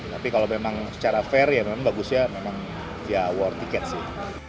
tapi kalau memang secara fair ya memang bagus ya memang ya world ticket sih